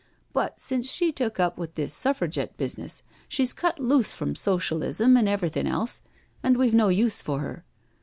But since she took up with this Suffragette business she's cut loose from Socialism and everythin* else, and we've no use for 'er.